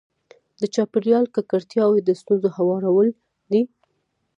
د چاپېریال ککړتیاوې د ستونزو هوارول دي.